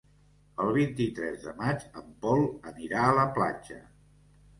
El vint-i-tres de maig en Pol anirà a la platja.